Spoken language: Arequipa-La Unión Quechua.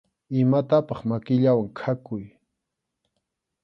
Imatapaq makillawan khakuy.